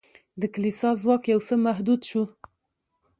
د کلیسا ځواک یو څه محدود شو.